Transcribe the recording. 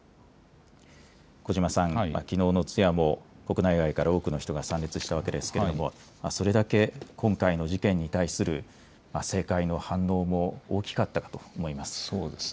小嶋さん、きのうの通夜も国内外から多くの人が参列したわけですけれども、それだけ今回の事件に対する政界の反応も大きかったと思います。